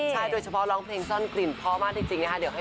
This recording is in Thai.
ใช่โดยเฉพาะร้องเพลงซ่อนกลิ่นเพราะมากจริงนะคะ